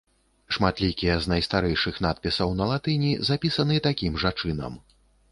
Шматлікія з найстарэйшых надпісаў на латыні запісаны такім жа чынам.